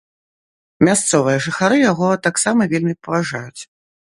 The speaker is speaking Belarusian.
Мясцовыя жыхары яго таксама вельмі паважаюць.